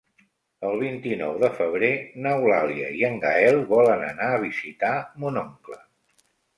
El vint-i-nou de febrer n'Eulàlia i en Gaël volen anar a visitar mon oncle.